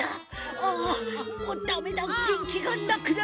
あもうだめだげんきがなくなる。